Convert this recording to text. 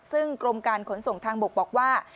ซึ่งกรมการขนส่งทางบกบอกว่า